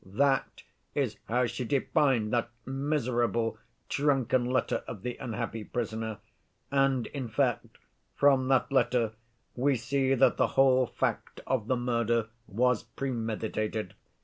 That is how she defined that miserable, drunken letter of the unhappy prisoner. And, in fact, from that letter we see that the whole fact of the murder was premeditated.